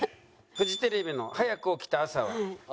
フジテレビの『はやく起きた朝は』。